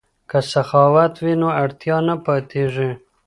که سخاوت وي نو اړتیا نه پاتیږي.